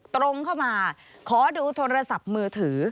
ตรงเข้ามาขอดูโทรศัพท์มือถือ